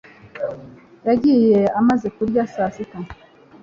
yagiye amaze kurya saa sita